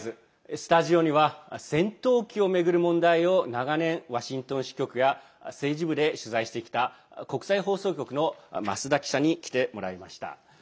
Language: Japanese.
スタジオには戦闘機を巡る問題を、長年ワシントン支局や政治部で取材してきた国際放送局の増田記者に来てもらいました。